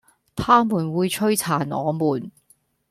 他們會摧殘我們